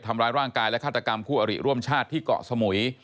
ทำร้ายร่างกายและฆาตกรรมคู่อริร่วมชาติที่เกาะสมุย